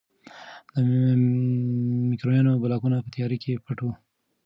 د مکروریانو بلاکونه په تیاره کې پټ وو.